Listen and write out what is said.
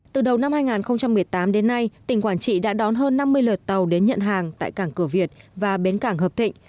từ đầu năm hai nghìn một mươi tám đến nay tỉnh quảng trị đã đón hơn năm mươi lượt tàu đến nhận hàng tại cảng cửa việt và bến cảng hợp thịnh